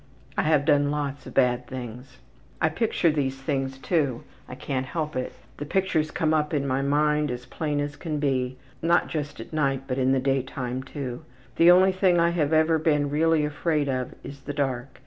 I have done lots of bad things. .... ``I picture these things too I can't help it. The pictures come up in my mind as plain as can be not just at night, but in the daytime too. The only thing I have ever been really afraid of is the dark.